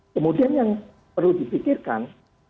kemudian yang perlu dipikirkan